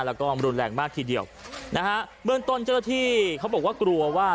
แล้วก็รุนแรงมากทีเดียวนะฮะเบื้องต้นเจ้าหน้าที่เขาบอกว่ากลัวว่า